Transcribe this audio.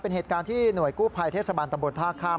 เป็นเหตุการณ์ที่หน่วยกู้ภัยเทศบาลตำบลท่าข้าม